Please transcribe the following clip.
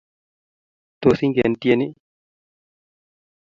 Tos ingen tyeni?